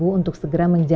itu kan ya